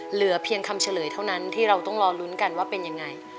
เหลือเพียงคำเฉลยเท่านั้นที่เราต้องรอลุ้นกันว่าเป็นยังไง